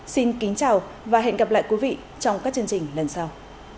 xin kính chào và hẹn gặp lại quý vị trong các chương trình lần sau